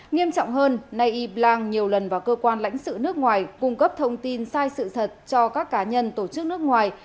nghiêm trọng hơn nay y blang nhiều lần vào cơ quan lãnh sự nước ngoài cung cấp thông tin sai sự thật cho các cá nhân tổ chức nước ngoài